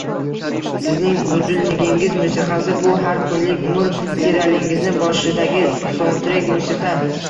Sizning budilnigingiz musiqasi - bu har kunlik umr serialingizni boshidagi saundtrek musiqa...